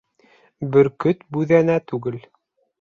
Бөркөт бүҙәнә түгел.